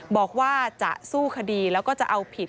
บอกว่าจะสู้คดีแล้วก็จะเอาผิด